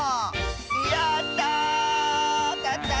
やった！